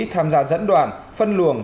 tham gia dẫn đoàn phân luồng